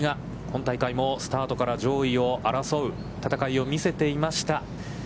本大会もスタートから上位を争う戦いを見せていました。